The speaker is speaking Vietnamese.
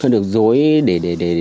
được dối để